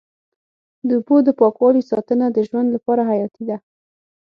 د اوبو د پاکوالي ساتنه د ژوند لپاره حیاتي ده.